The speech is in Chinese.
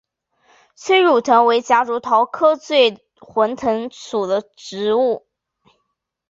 催乳藤为夹竹桃科醉魂藤属的植物。